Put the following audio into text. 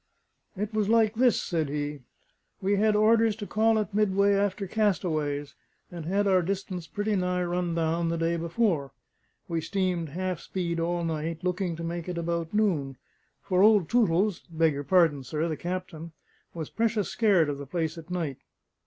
"It was like this," said he. "We had orders to call at Midway after castaways, and had our distance pretty nigh run down the day before. We steamed half speed all night, looking to make it about noon; for old Tootles beg your pardon, sir the captain was precious scared of the place at night.